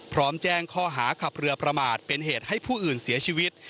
พร้อมแจ้งข้อหาขับเรือประมาทเป็นเหตุให้ผู้อื่นเสียชีวิต